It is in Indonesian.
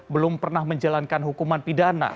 belum pernah menjalankan hukuman pidana